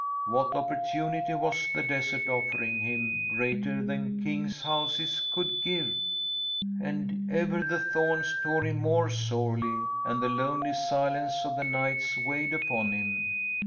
What opportunity was the desert offering him greater than kings' houses could give? "'And ever the thorns tore him more sorely, and the lonely silence of the nights weighed upon him.